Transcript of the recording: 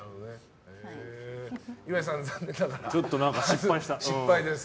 岩井さん、残念ながら失敗です。